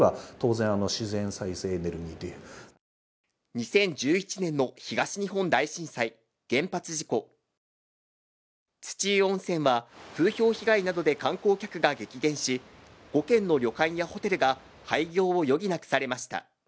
２０１１年の東日本大震災・原発事故土湯温泉は、風評被害などで観光客が激減し、５軒の旅館やホテルが廃業を余儀なくされました。